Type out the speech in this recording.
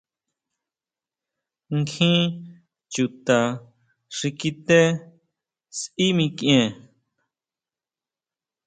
Nkjín chuta xi kité sʼí mikʼien.